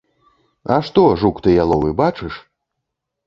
А што, жук ты яловы, бачыш?